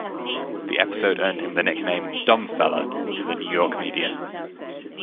The episode earned him the nickname 'dumbfella' in the New York media.